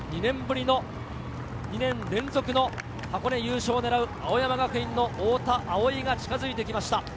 しかし２年ぶりの２年連続の箱根優勝を狙う青山学院の太田蒼生が近づいてきました。